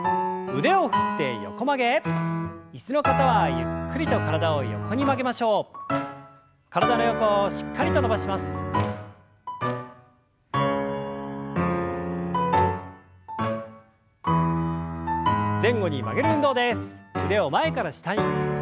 腕を前から下に。